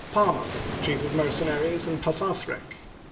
PamUy Chief of Mercenaries in Pas as rek